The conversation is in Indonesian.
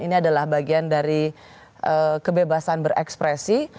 ini adalah bagian dari kebebasan berekspresi